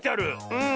うん。